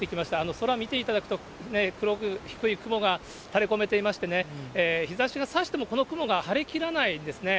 空見ていただくと、黒く、低い雲が垂れ込めていましてね、日ざしがさしても、この雲が晴れきらないんですね。